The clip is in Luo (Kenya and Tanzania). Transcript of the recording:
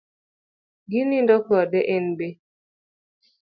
Ginindo kode en be